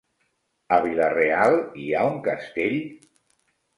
A Vila-real hi ha un castell?